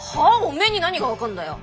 おめえに何が分かんだよ！